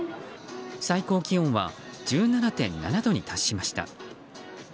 最高気温は１７．７度に達しました。